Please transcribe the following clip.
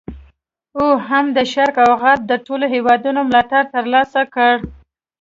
او هم د شرق او غرب د ټولو هیوادونو ملاتړ تر لاسه کړ.